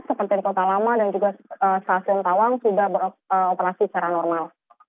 seperti di kota lama dan juga stasiun tawang sudah beroperasi secara normal